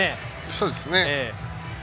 そうですね。